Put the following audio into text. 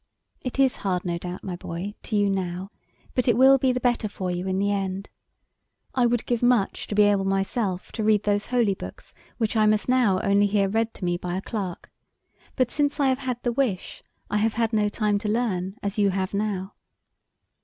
"It is hard, no doubt, my boy, to you now, but it will be the better for you in the end. I would give much to be able myself to read those holy books which I must now only hear read to me by a clerk, but since I have had the wish, I have had no time to learn as you have now."